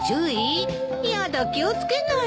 やだ気を付けないと。